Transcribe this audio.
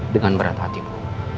dengan berat hatiku